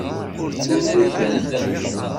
Anwi-tent?